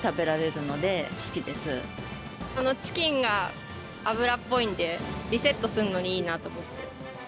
チキンが脂っぽいんでリセットするのにいいなと思って。